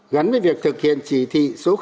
gắn với việc thực hiện chỉ thị số năm